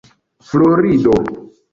florido